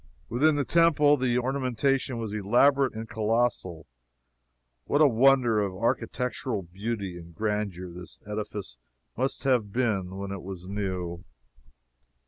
Within the temple, the ornamentation was elaborate and colossal. What a wonder of architectural beauty and grandeur this edifice must have been when it was new!